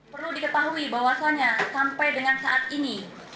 perlu diketahui bahwasannya sampai dengan saat ini